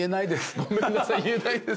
ごめんなさい言えないです。